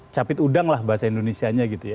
capit udang lah bahasa indonesia nya gitu ya